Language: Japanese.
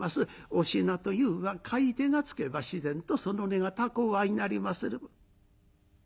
お品というは買い手がつけば自然とその値が高う相成りまする」。